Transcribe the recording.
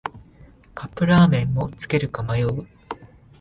カップラーメンもつけるか迷う